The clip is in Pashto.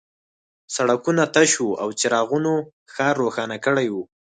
سړکونه تش وو او څراغونو ښار روښانه کړی و